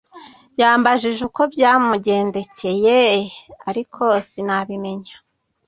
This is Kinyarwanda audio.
Yambajije uko byamugendekeye ariko sinabimenya